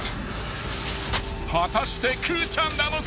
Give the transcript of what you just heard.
［果たしてくーちゃんなのか］